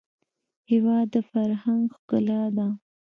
هېواد د فرهنګ ښکلا ده.